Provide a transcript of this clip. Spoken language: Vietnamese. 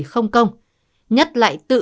không công nhất lại tự